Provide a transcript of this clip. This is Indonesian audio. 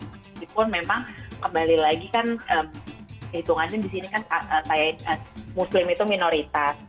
meskipun memang kembali lagi kan hitungannya di sini kan saya muslim itu minoritas